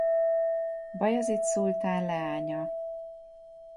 Bajazid szultán leánya.